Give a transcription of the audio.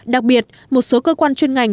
đặc biệt một số cơ quan chuyên ngành